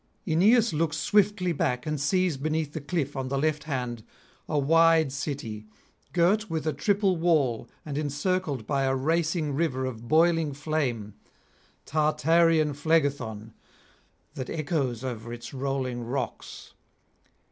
Aeneas looks swiftly back, and sees beneath the cliff on the left hand a wide city, girt with a triple wall and encircled by a racing river of boiling flame, Tartarean Phlegethon, that echoes over its rolling rocks.